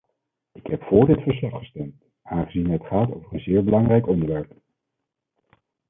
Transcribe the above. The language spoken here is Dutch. Ik heb voor dit verslag gestemd, aangezien het gaat over een zeer belangrijk onderwerp.